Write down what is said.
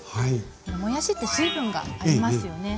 もやしって水分がありますよね。